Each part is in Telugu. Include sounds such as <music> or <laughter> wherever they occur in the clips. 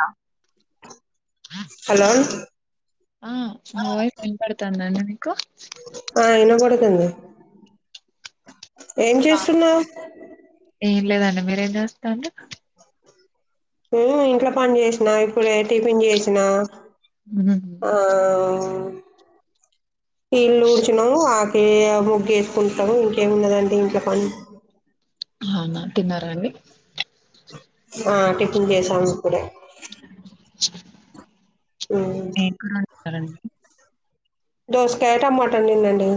ఆ హు నా వాయిస్ వినపడతందన్న ఆ ఇన్న కూడ హు ఏం ఆ, చేస్తున్నావు ఏం లేదండి మీరేం చేస్తారు హు ఇంట్ల పని చేసినా ఇప్పుడే టిఫిన్ చేసినా హు ఇల్లు ఊడ్చినం అకిలి మొగ్గు వేసుకుంటాము ఇంకేమి ఉన్నదండి ఇంట్లో పని అవునా తిన్నారా అండి ఆ టిఫిన్ చేసాము ఇప్పుడే ఉమ్. ఏం కూర వాడుతా సరే అండి దోసకాయ టమాటా వండినండి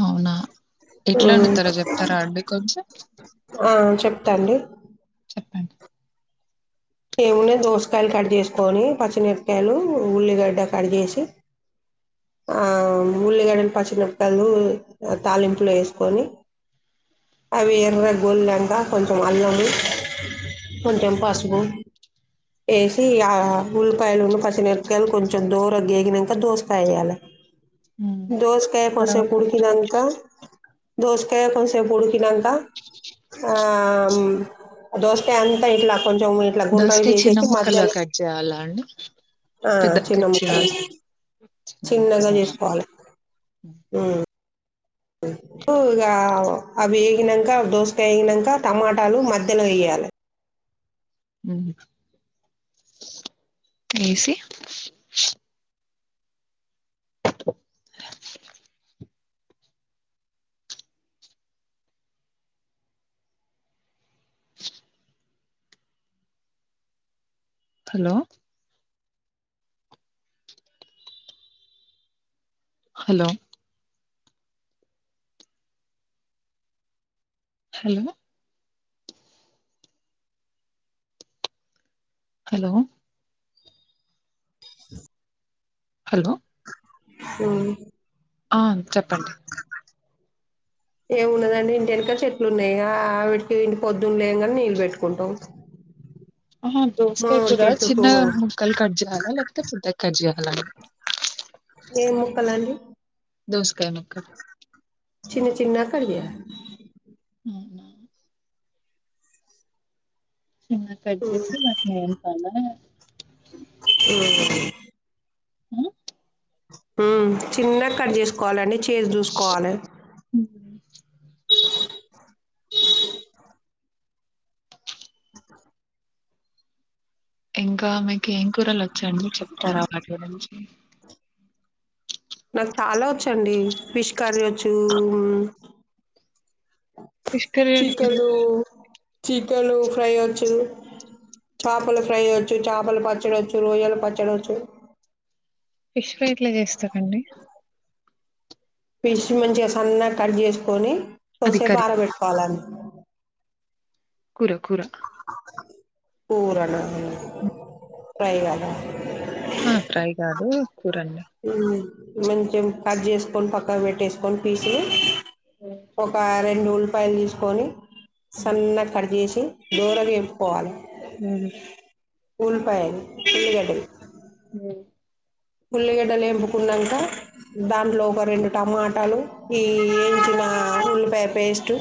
అవున ఎట్లా ఉమ్. వండుతారో చెప్తారా అండి కొంచెం ఏంటండీ చెప్పండి ఏమున్నా దోసకాయలు కట్ చేసుకొని పచ్చిమిరకాయలు ఉల్లిగడ్డ కట్ చేేసి ఆ ఉల్లిగడ్డ పచ్చిమిరకాయలు తాలింపులో వేసుకొని అవి ఎర్ర గోలినంక కొంచెం అల్లము కొంచెం పసుపు వేసి ఆ ఉల్లిపాయలున్న పచ్చనిరకాయలు కొంచెం దోర గేగినాక దోసకాయ వేయాలి ఉమ్ దోసకాయ కాసేపు తర్వాత ఉడికినంక దోసకాయ కొద్దిసేపు ఉడికినంక తా ఆ ఆ దోసకాయి అంతంతా ఇట్లాకు కొంచెం ఇట్లా గుండ్రగా దోసకాయ చిన్న చేసేసి ముక్కలు మధ్యలో కట్ చేయాలా అండి ఆ పెద్ద చిన్న కట్ ముక్కలు చేయాల చిన్న ముక్క చిన్నగా లే చేసుకోవాలి ఇగా అవి వేగినక దోస ఎగినంక టమాటాలు మధ్యలో వేయాలి ఏసి <inaudible> hello hello hello hello hello హా ఆ చెప్పండి ఏమున్నదండి ఇంటి వెనుక చెట్లు ఉన్నాయి ఆవిటికి ఏంటి పొద్దున్న లేవగానే నీళ్ళు పెట్టుకుంటాం ఆ దోసకాయ మామిడి కూర చిన్న చెట్టుకు ముక్కలు కట్ చేయాలా లేకపోతే పెద్దగా కట్ చేయాల అండి ఏం ముక్కలండి దోసకాయ ముక్కలు చిన్న చిన్నగ కట్ చెయాలి అవునా చిన్న కట్ చేసి మాకు నేను పాల హా చిన్నగ కట్ చేసుకోవాలండి కేజ్ చూసుకోవాలే ఉమ్. <inaudible> ఇంకా మీకు ఏం కూరలు వచ్చండి చెప్తారా వాటి గురించి? నాకు చాలా వచ్చు అండి ఫిష్ కర్రీ వచ్చూ fish curry chicken chicken fry వచ్చు, చేపలు ఫ్రై వచ్చు, చేపలు పచ్చడి వచ్చు, రొయ్యల పచ్చడి వచ్చు. ఫిష్ ఫ్రై ఎట్ల చేస్తరండి? పిష్ మంచిగ సన్నగా కట్ చేసుకొని, కొద్ది అది సేపు కర్రీ ఆరబెట్టుకోవాలం అ కుర కూర కూరలు <unintelligible> ఆ ఫ్రై కాదు కూరండి మ్మ్ మంచెం కట్ చేసుకొని పక్కకు పెట్టేసుకొని పీసులు ఒక రెండు ఉ ల్లిపాయలు తీసుకొని, హ్మ్ సన్నాగ కట్ చేేసి, దోరగ ఏంపుకోవాలే. మ్మ్ ఉల్ల్పాయలు, ఉల్లిగడ్డలు అ ఉల్లిగడ్డలు ఎంపుకున్నాంక దాంట్లో ఒక రెండు టమాటాలు, ఈ ఏంచిన ఉల్లిపాయ పేస్టు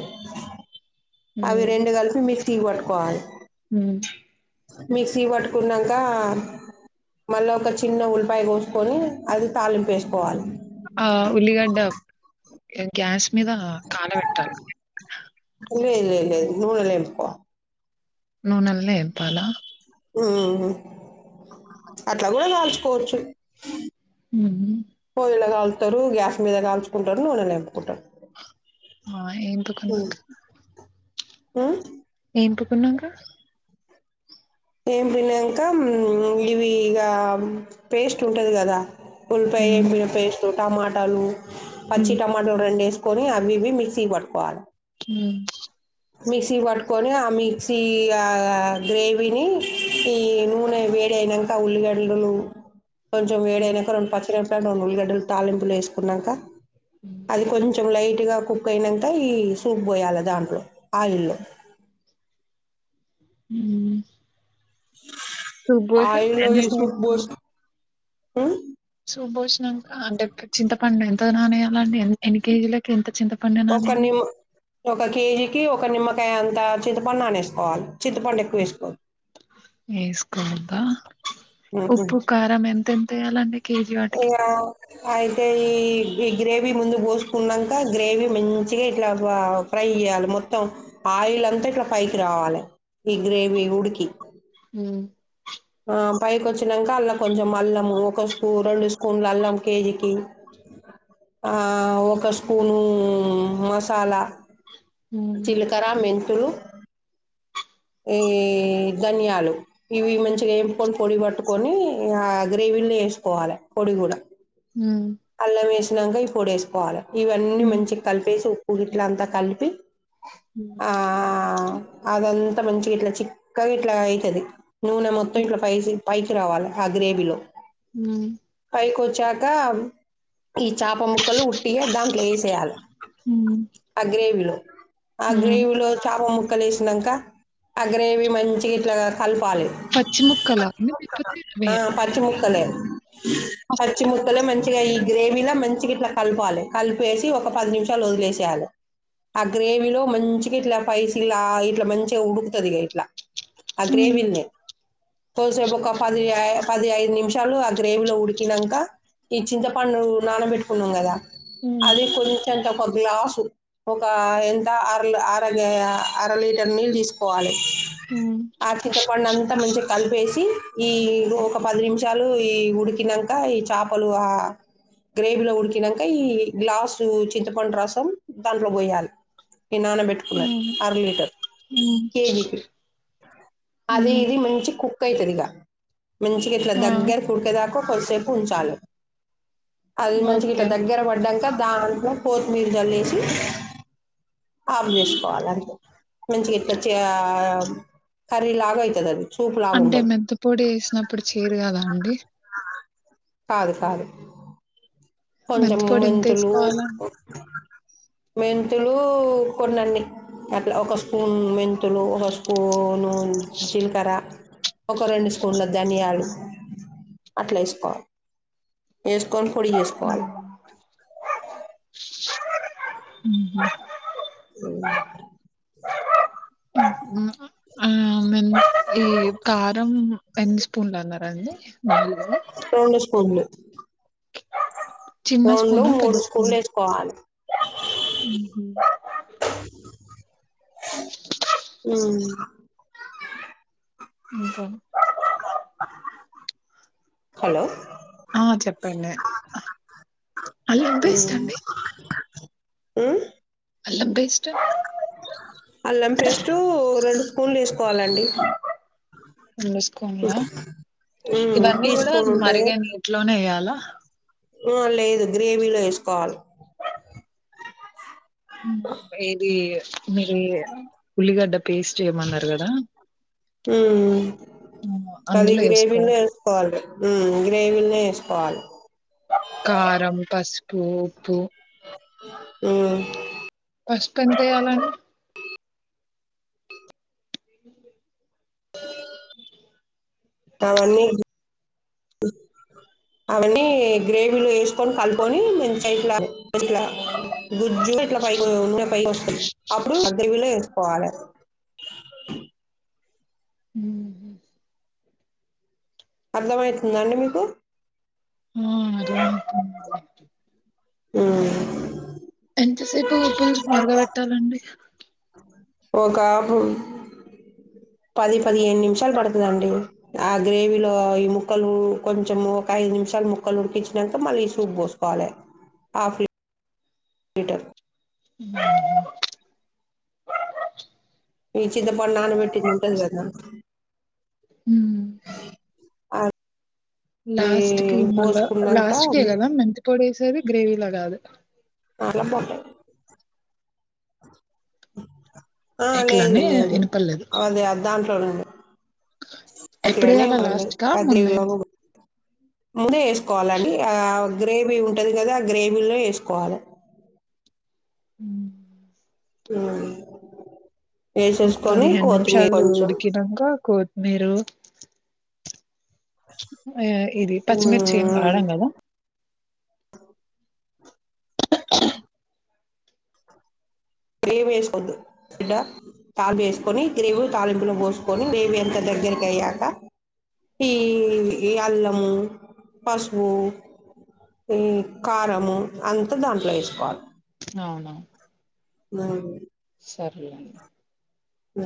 అవి హ్మ్ రెండు కలిసి మి క్సీ కి పట్టుకోవాలే. మ్ మిక్సీకి పట్టుకున్నాంక మళ్ళీ ఒక చిన్న ఉల్పాయ కోసుకొని అది తళింపు ఏసుకోవాలే. ఆ ఉల్లిగడ్డ గ్యాస్ మీద కాల పెట్టాల లేదు లేదు లేదు నూనెల ఏంపుకోవాలే. నూనెల్నే ఏంపాలా? హ్మూ అట్ల కూడ కాల్చుకోవచ్చు. ఉహు పొయ్యిల కాల్ తారు గ్యాస్ మీద కాల్చుకుంటారు. నూనల వేంపుకుంటరు. ఆ ఎంపుకున్నాక ఆ ఏంపు కున్నాక ఏం పినాక ఇవి ఇగ పేస్ట్ ఉంటది కదా ఉల్లిపాయ హ్మ్ ఏంపిన పేస్టు టమాటాలు పచ్చి హ్మ్ టమాటలు రెండు ఏసి కొని అవి ఇవి మిక్సీకి పట్టుకోవాల హ్మ్ మిక్సీ పట్టుకొని ఆ మిక్సీ ఆ గ్రేవీని ఈ నూనె వేడి అయినంక ఉల్లిగడ్డలను కొంచెం వేడి అయినాక రెండు పచ్చి మిరపకాయలు రెండు ఉల్లిగడ్డలు తాలింపు లో వేసుకున్నాక అది కొంచెం లైట్ గట్టిగా కుక్ అయినంక ఈ సూప్ పోయాల దాంట్లో ఆయిల్లో హ్మ్ సూప్ బోసి ఎంత సేపూ హ్మ్ సూప్ బోషీ నాంక అంటే క చింత పండు ఎంత నానెయ్యాలండి ఎన్ని కేజీలకి ఎంత చింత ఒక నిమ్ ఒక కేజీకి ఒక నిమ్మ అంటే అంతా చింత వేస్కోబ్బా ఉప్పు, కారం ఎంతెం వేయాలండి కేజీ వాటికి ఇగ అయితే ఈ ఈ గ్రేవీ ముందు పోసుకున్నంక గ్రేవీ మంచిగా ఇట్లా ఆ ఫ్రై చేయాలి మొత్తం ఆయిల్ అంతా ఇట్లా పైకి రావాలి. ఈ ఉమ్, గ్రేవి ఉడుకి ఉమ్, ఆ పైకొచ్చినంక అల్ల కొంచెం అల్లము ఒక స్పూ రెండు స్పూన్లు అల్లం కేజీకి ఆ ఒక స్పూను మసాలా ఉమ్, జీలకర్ర మెం తులు ఈ ధనియాలు ఇవి మంచిగా ఏంపుకొంట పొడి పట్టుకొని ఆ గ్రేవీని వేసుకోవాలి పొడి కూడా ఉమ్, అల్లమేసి తినంగ ఈ పొడేసుకోవాలి ఇవన్నీ ఉమ్, మంచిగ కలిపేసి ఇట్లా అంతా కలిపి ఉమ్, ఆ అదం మంచిగిట్లా చిక్కగా ఇట్లా అయితది నూనె మొత్తం ఉమ్, ఇట్ల ఫైసి పై రావాల ఆగ్రేవిలో మళ్ళీ కుచ్చాక ఈ చాప ముక్కలు ఉట్టిగా దాంట్ల ఎసేయాలే ఉమ్. ఆ గ్రేవీలో ఆ ఉమ్. గ్రేవీలో చాప ము ముక్కలు ఎసినంక ఆ గ్రేవీ మంచి గిట్లా పచ్చి ముక్కలా మేమిట్ల ఆ పచ్చి <unintelligible> ముక్కలే పచ్చి ముక్కలే మంచి మంచిగా ఈ గ్రేవీలా మంచిగా ఇట్లా కలుపాలే కలిపేసి ఒక పది నిమిషాలు వదిలేసేయాలే ఆ గ్రేవీలో మంచిగా ఇట్లా పైసిలా ఇట్లా మంచిగా ఉడుకుతది ఇగ ఇట్లా ఆ ఉమ్, గ్రేవిన్లే కొసేపు ఒక పది పది ఐదు నిమిషాలు ఆ గ్రేవీలో ఉడికినంక ఈ చింతపండు నానబెట్టుకున్నాం కదా ఉమ్, అది కొంచెం త ఒక గ్లాసు ఒక ఎంత అర అర అర లీటర్ నీళ్ళు తీసుకోవాలే ఉమ్, ఆ చింతపండంత మంచి కలిపేసి ఈ ఒక పది నిమిషాలు ఈ ఉడికినంక ఈ చాప లు ఆ గ్రేవీలో ఉడికినంక ఈ గ్లాసు చింతపండు రసం దాంట్లో బోయలే ఈ నానబెట్టుకున్న ఉమ్, అర లీటర్ ఉమ్, కేజీకి అది ఉమ్. ఇది మంచి కుక్ కైతరిగా మంచిగిట్లా ఆ, దగ్గరికూడికేదాకా కొద్దిసేపు చాలు అది మంచి గిట్ల ఓకే దగ్గర పడంక దాంట్లో కొత్తిమీరు జల్లేషి ఆపు చేసుకోవాలంతే మంచి గిట్ల చే ఆ కర్రీలాగా అయితదది అంటే మెంతి పొడి ఎసినప్పుడు చేదు కదా అండి కాదు కాదు కొంచెంము మెంతిపొడి ఎంత మెంతులు వేసుకోవాలండి మెంతులు కొన్నండి అట్లా ఒక స్పూన్ మెంతులు ఒక స్పూను జీలకర ఒక రెండు స్పూన్ల ధనియాలు అట్లా ఎసుకోవాలి ఎస్ కొని పొడి చేస్కోవాలి ఉహు ఉ ఉహు ఉ మేం ఈ కారం ఎన్ని స్పూన్లు అన్నారండి నాలుగు రెండు స్పూన్లు చిన్న రెండు స్పూన మూడు పెద్ద స్కూన స్పూన్లు వేసుకోవాలి ఊహు ఉ <inaudible> ఇంకా <inaudible> హలో ఆ చెప్పండి హల్లో వినిపిస్తాంది ఉ అల్లం బేస్ అల్లం పేస్టు రెండు స్పూన్ తీసుకోవాలండి అన్ల ఏసుకోలా ఇవన్నీ టీ కూడా స్పూన్ మరిగ నీట్లోనేయాలా ఆ లేదు గ్రేవీలో ఏసుకోవాల ఏది మిరియెన ఉల్లిగడ్డ ఉల్లిగడ్డ పేస్టు ఏమన్నారు కదా ఊ అది అందులో వేసుకో గ్రేవీలో ఏసుకోవాలి ఉ గ్రేవీనే ఏసుకోవాలి కారం పసు ము ఉప్పు ఊ పసుపు ఎంతేయాలండీ అ అవన్నీ అవన్నీ గ్రేవీలో ఏసుకొని కలుకొని మంచి గా ఇట్లా ఇట్లా గుజ్జు ఇట్లా పై నూనె పై వస్తుంది అప్పుడు గ్రేవీలో ఏస్ పోవాలె ఊహు అర్దమయితుందా అండి మీకు ఆ అర్దమైతుందండి ఊ ఎంతసేపు ఉప్పు జూసి మరగబెట్టాలండి ఒక పది పదిహేను నిమిషాలు పడుతదండి ఆ గ్రేవీలో ఈ ముక్కలు కొంచెం ఒక ఐదు నిమిషాలు ముక్కలు ఉడికిచ్చినంకా మళ్ళీ సూప్ పోసుకోవాలే ఆఫ్ లీటర్ ఉహు హు ఈ చి మా నాన్న పెట్టింది ఉంటంది కదా. ఊ ఆ అది లాస్ట్ కి మళ్ళ పోసుకున్నాక లాస్ట్ క వె కదా మెంతి పొడి వేసేది. గ్రేవిలా కాదు. అలా పోంటే <inaudible> ఆ లేదు ఎట్లానే లేదు అది దాంట్లోనండి ఎక్కడే అలా లాస్ట్గా అది మున్నా ముందే వేసుకోవాలని ఆ గ్రేవీ ఉంటది కదా, ఆ గ్రేవీలో వేసుకోవాలి. <inaudible> ఆ ఒక పదిహేను నిమిషాలు ఉడికినాక కోత్తిమీరి రు ఆ ఇది పచ్చిమిర్చి ఏమి వాడం కదా గ్రేవీ వేసుకోవద్దు, బిడ్డ తాలిపి వేసుకొని గ్రేవీ తాలింపులో పోసుకొని గ్రేవీ అంత దగ్గరకి అయ్యాక ఈ అల్లము పసుపు ఈ కారము అంతా దాంట్లో వేసుకోవాలి. అవునువును ఆ సరలేండి. హ